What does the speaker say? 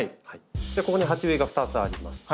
ここに鉢植えが２つあります。